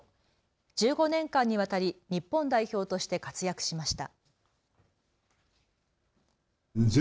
１５年間にわたり日本代表として活躍しました。